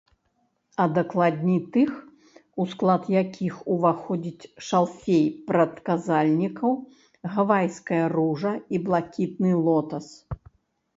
А дакладней тых, у склад якіх уваходзіць шалфей прадказальнікаў, гавайская ружа і блакітны лотас.